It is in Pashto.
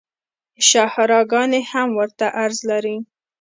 شاهراه ګانې هم ورته عرض لري